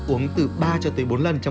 uống từ ba bốn lần